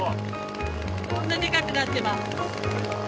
こんなでかくなってます。